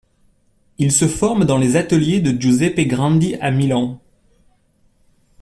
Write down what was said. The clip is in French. Il se forme dans les ateliers de Giuseppe Grandi à Milan.